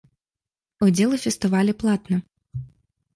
Удзел у фестывалі платны.